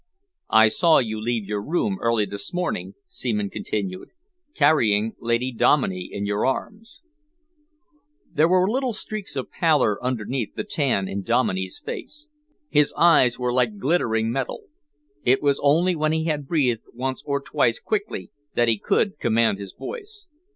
"I saw you leave your room early this morning," Seaman continued, "carrying Lady Dominey in your arms." There were little streaks of pallor underneath the tan in Dominey's face. His eyes were like glittering metal. It was only when he had breathed once or twice quickly that he could command his voice.